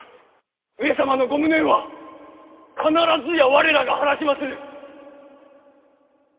上様のご無念は必ずや我らが晴らしまする！